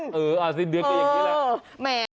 เอออันสิ้นเดือนก็อย่างนี้แหละแหม่ง